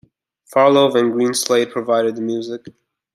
Farlowe and Greenslade provided the music.